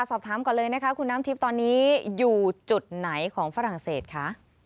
สอบถามก่อนเลยนะคะคุณน้ำทิพย์ตอนนี้อยู่จุดไหนของฝรั่งเศสคะ